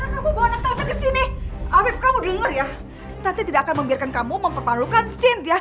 kesini kamu denger ya tapi tidak akan membiarkan kamu memperbarukan cynthia